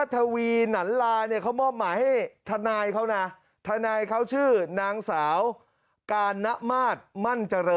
ท่านใกล้สอนใช่ไหมฮะ